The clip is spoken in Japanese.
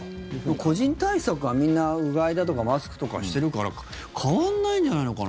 個人対策はみんな、うがいだとかマスクとかしてるから変わらないんじゃないのかな。